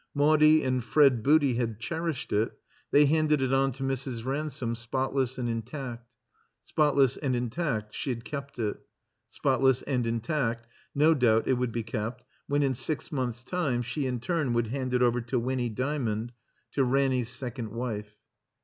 Maudie and Fred Booty had cherished it, they handed it on to Mrs. Ransome spotless and intact. Spotless and intact she had kept it. Spotless and intact no doubt it would be kept when, in six months' time, she in turn would hand it over to Winny Dymond, to Ranny's second wife.